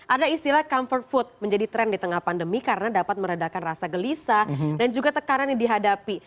ada istilah comfort food menjadi tren di tengah pandemi karena dapat meredakan rasa gelisah dan juga tekanan yang dihadapi